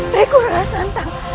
riku rara santang